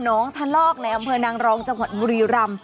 น้องทะลอกในอำเภอนางรองจังหวัดบุรีรำ